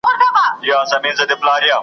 د غزلونو قصیدو ښکلي ښاغلي عطر .